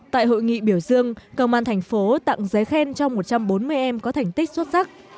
tại hội nghị biểu dương công an thành phố tặng giấy khen cho một trăm bốn mươi em có thành tích xuất sắc